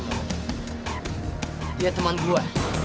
dia teman gua